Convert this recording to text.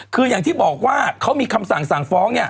คืออย่างที่บอกว่าเขามีคำสั่งสั่งฟ้องเนี่ย